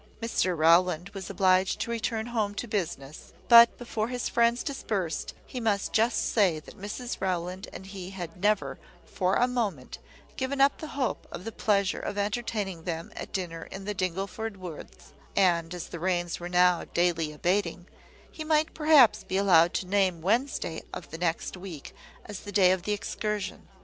Mr Rowland was obliged to return home to business; but, before his friends dispersed, he must just say that Mrs Rowland and he had never, for a moment, given up the hope of the pleasure of entertaining them at dinner in the Dingleford woods; and, as the rains were now daily abating, he might perhaps be allowed to name Wednesday of the next week as the day of the excursion.